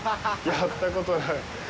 やったことない。